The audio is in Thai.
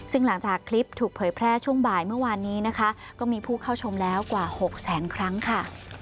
ซึ่งหลังจากคลิปถูกเผยแพร่ช่วงบ่ายเมื่อวานนี้นะคะก็มีผู้เข้าชมแล้วกว่า๖แสนครั้งค่ะ